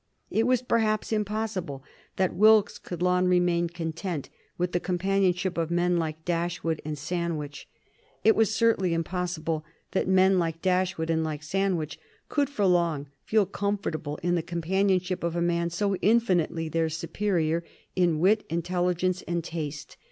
It was perhaps impossible that Wilkes could long remain content with the companionship of men like Dashwood and Sandwich; it was certainly impossible that men like Dashwood and like Sandwich could for long feel comfortable in the companionship of a man so infinitely their superior in wit, intelligence, and taste.